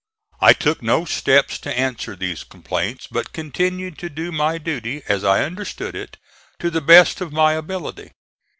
I took no steps to answer these complaints, but continued to do my duty, as I understood it, to the best of my ability.